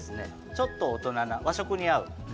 ちょっと大人な、和食に合う。